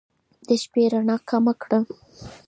د شپې رڼا کمه کړه